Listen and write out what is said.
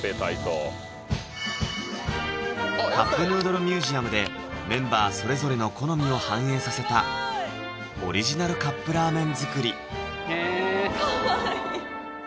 カップヌードルミュージアムでメンバーそれぞれの好みを反映させたオリジナルカップラーメン作りへぇかわいい！